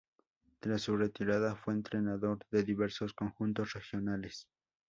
Tras su retirada fue entrenador de diversos conjuntos regionales.